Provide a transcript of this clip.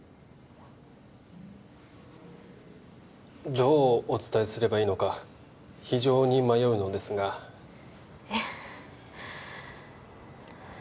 どうお伝えすればいいのか非常に迷うのですがえっ？